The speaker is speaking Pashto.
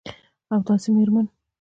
او داسي میرمن